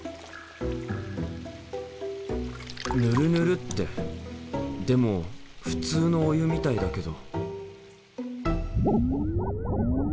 ヌルヌルってでも普通のお湯みたいだけど。